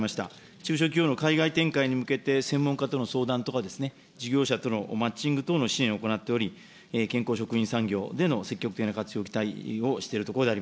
中小企業の海外展開に向けて、専門かとの相談とかですね、事業者とのマッチング等の支援を行っており、健康食品産業での積極的な活用を期待をしているところであ